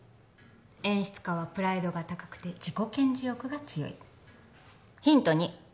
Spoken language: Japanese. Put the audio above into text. １演出家はプライドが高くて自己顕示欲が強いヒント